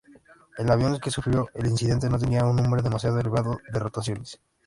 El avión que sufrió el incidente no tenía un número demasiado elevado de rotaciones.